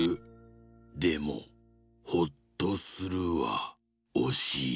でもほっとするはおしい。